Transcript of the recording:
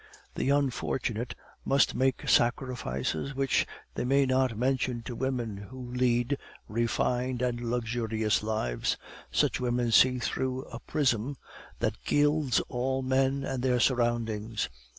"The unfortunate must make sacrifices which they may not mention to women who lead refined and luxurious lives. Such women see things through a prism that gilds all men and their surroundings.